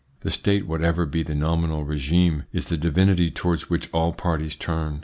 The State, whatever be the nominal regime, is the divinity towards which all parties turn.